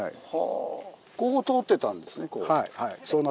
ここ通ってたんですねこう。